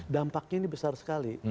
dampaknya ini besar sekali